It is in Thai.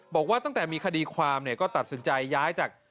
บอกว่าตั้งแต่มีคดีความเนี่ยก็ตัดสินใจย้ายจาก